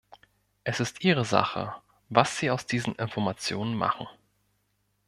Es ist ihre Sache, was sie aus diesen Informationen machen.